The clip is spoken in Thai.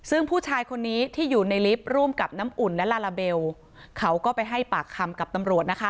ซึ่งผู้ชายคนนี้ที่อยู่ในลิฟต์ร่วมกับน้ำอุ่นและลาลาเบลเขาก็ไปให้ปากคำกับตำรวจนะคะ